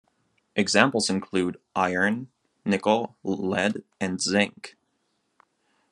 Examples include iron, nickel, lead and zinc.